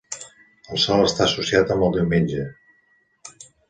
El sol està associat amb el diumenge.